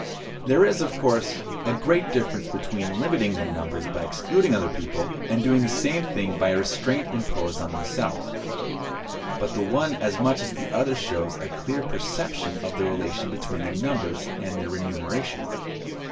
There is, of course, a great difference between limiting their numbers by excluding other people, and doing the same thing by a restraint imposed on themselves; but the one as much as the other shows a clear perception of the relation between their numbers and their remuneration.